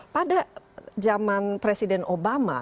pada zaman presiden obama